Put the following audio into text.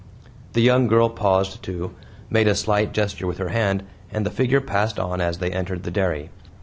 The young girl paused too, made a slight gesture with her hand, and the figure passed on as they entered the dairy.